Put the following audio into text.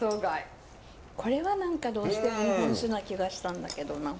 これは何かどうしても日本酒な気がしたんだけどな。